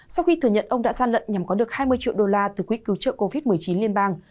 sau khi thừa nhận ông đã gian lận nhằm có được hai mươi triệu đô la từ quỹ cứu trợ covid một mươi chín liên bang